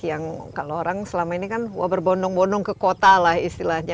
yang kalau orang selama ini kan berbondong bondong ke kota lah istilahnya